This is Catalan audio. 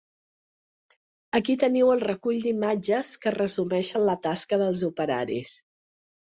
Aquí teniu el recull d’imatges que resumeixen la tasca dels operaris.